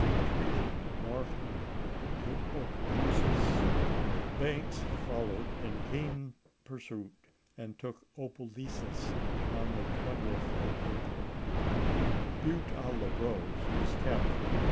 retreating northward to Opelousas. Bants fol lowed in keen pursuit, and took Opelousas on the 20th of April; Butte a la Rose was captured i863.